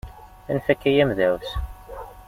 Anef akka ay amedεus!